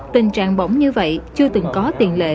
tình trạng bỏng như vậy chưa từng có tiền lệ